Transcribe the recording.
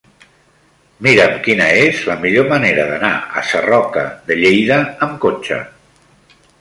Mira'm quina és la millor manera d'anar a Sarroca de Lleida amb cotxe.